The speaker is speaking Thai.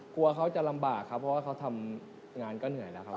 กลัวเขาจะลำบากครับเพราะว่าเขาทำงานก็เหนื่อยแล้วครับ